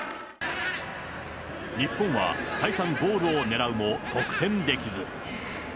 日本は再三、ゴールを狙うも得点できず。